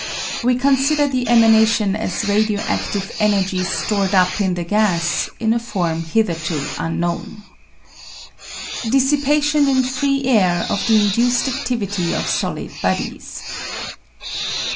We consider the emanation as radio adtive energy stored up in the gas in a form hitherto unknown. Dissipation in Free Air of the Induced Activity of Solid Bodies.